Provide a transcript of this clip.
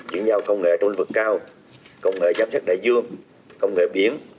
chuyển giao công nghệ trong lĩnh vực cao công nghệ giám sát đại dương công nghệ biển